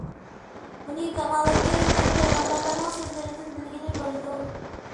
بۇنى كامالەتكە يەتكەن پەيغەمبەرلەرنىڭ سۆزلىرىدىن بىلگىلى بولىدۇ.